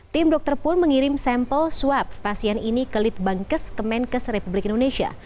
tim dokter pun mengirim sampel swab pasien ini ke litbangkes kemenkes republik indonesia